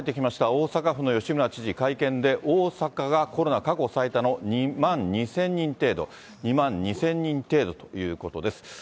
大阪府の吉村知事、会見で、大阪がコロナ過去最多の２万２０００人程度、２万２０００人程度ということです。